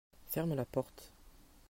ferme la porte.